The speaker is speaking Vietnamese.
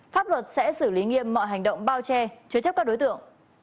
pháp luật sẽ xử lý nghiêm mọi hành động bao che chứa chấp các đối tượng